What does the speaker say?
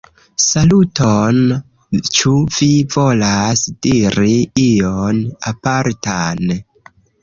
Saluton, ĉu vi volas diri ion apartan?